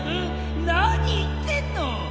なに言ってんの！